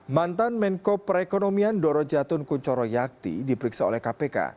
mantan menko perekonomian doro jatun kunchoro yakti diperiksa oleh kpk